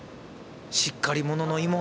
しっかり者の妹？